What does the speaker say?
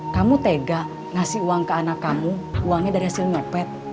kamu tega ngasih uang ke anak kamu uangnya dari hasil nyopet